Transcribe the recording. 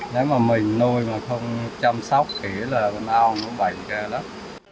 nếu mà mình nuôi mà không chăm sóc thì là con ong nó bệnh kia lắm